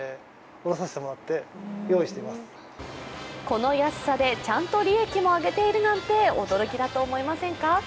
この安さでちゃんと利益も上げているなんて驚きだと思いませんか。